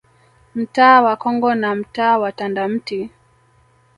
Mtaa wa Congo na mtaa wa Tandamti